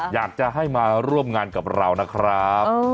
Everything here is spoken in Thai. อยากจะให้มาร่วมงานกับเรานะครับ